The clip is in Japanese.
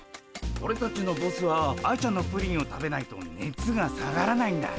オレたちのボスは愛ちゃんのプリンを食べないとねつが下がらないんだ。